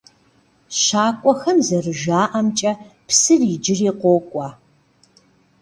ЩакӀуэхэм зэрыжаӀэмкӀэ, псыр иджыри къокӀуэ.